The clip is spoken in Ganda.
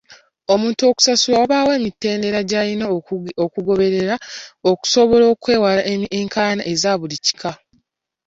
Omuntu okusasulwa wabaawo emitendera egirina okugobererwa okusobola okwewala enkayana ezaabuli kika.